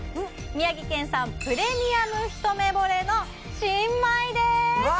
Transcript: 宮城県産プレミアムひとめぼれの新米ですわ！